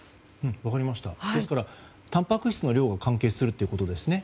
ですから、たんぱく質の量が関係するということですね。